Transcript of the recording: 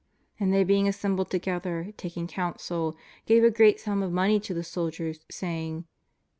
And they being assembled together, taking counsel, gave a great sum of money to the soldiers, saying.